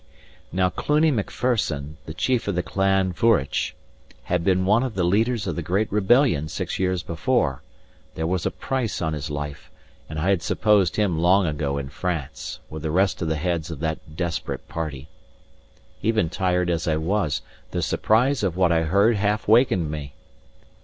Now Cluny Macpherson, the chief of the clan Vourich, had been one of the leaders of the great rebellion six years before; there was a price on his life; and I had supposed him long ago in France, with the rest of the heads of that desperate party. Even tired as I was, the surprise of what I heard half wakened me.